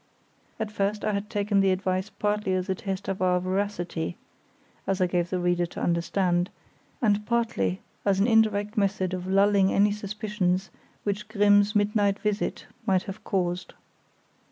At first I had taken the advice partly as a test of our veracity (as I gave the reader to understand), and partly as an indirect method of lulling any suspicions which Grimm's midnight visit may have caused.